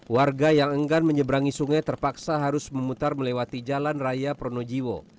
warga yang enggan menyeberangi sungai terpaksa harus memutar melewati jalan raya pronojiwo